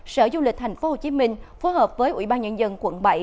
sở du lịch thành phố hồ chí minh phối hợp với ủy ban nhân dân quận bảy